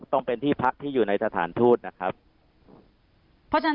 ต้องเป็นที่พักที่อยู่ในสถานทูตนะครับเพราะฉะนั้น